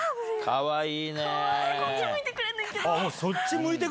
かわいい。